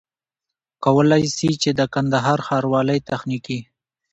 کولای سي چي د کندهار ښاروالۍ تخنيکي